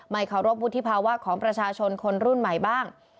เคารพวุฒิภาวะของประชาชนคนรุ่นใหม่บ้าง